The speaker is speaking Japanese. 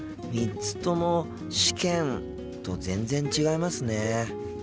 ３つとも「試験」と全然違いますね。